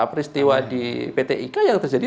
peristiwa di pt ika yang terjadi